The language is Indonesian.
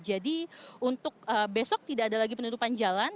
untuk besok tidak ada lagi penutupan jalan